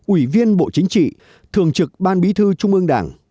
ủy viên bộ chính trị thường trực ban bí thư trung ương đảng